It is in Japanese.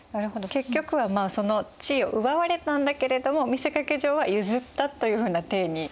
結局はその地位を奪われたんだけれども見せかけ上は譲ったというふうな体にしたわけなんですね。